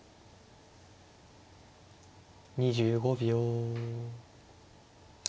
２５秒。